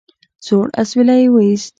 سوړ اسويلی يې ويست.